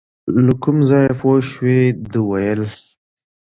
له کوم ځایه پوه شوې، ده ویل .